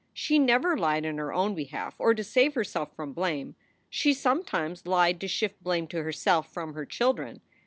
She never lied in her own behalf or to save herself from blame. She sometimes lied to shift blame to herself from her children.